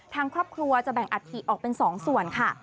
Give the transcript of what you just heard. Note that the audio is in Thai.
ทางครอบครัวจะแบ่งอัฐิออกเป็น๒ส่วนค่ะ